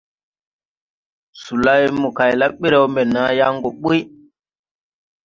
Solay mo kay la ɓrɛw mbɛ naa yaŋ gɔ ɓuy.